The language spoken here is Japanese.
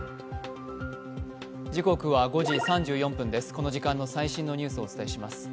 この時間の最新のニュースをお伝えします。